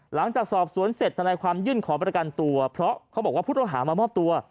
หลังจากสอบสวนเสร็จธนายความยื่นขอประกันตัวเพราะเขาบอกว่าผู้ต้องหามามอบตัว